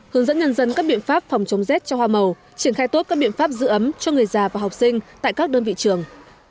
hướng dẫn nhân dân các biện pháp phòng chống rét cho hoa màu triển khai tốt các biện pháp giữ ấm cho người già và học sinh tại các đơn vị trường